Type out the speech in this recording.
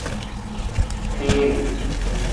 Tuwiin.